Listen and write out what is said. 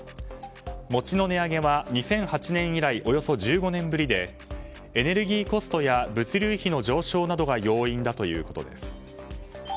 餅の値上げは２００８年以来およそ１５年ぶりでエネルギーコストや物流費の上昇などが要因だということです。